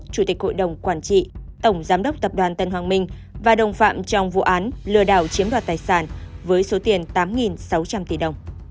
chủ tịch hội đồng quản trị tổng giám đốc tập đoàn tân hoàng minh và đồng phạm trong vụ án lừa đảo chiếm đoạt tài sản với số tiền tám sáu trăm linh tỷ đồng